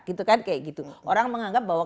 gitu kan kayak gitu orang menganggap bahwa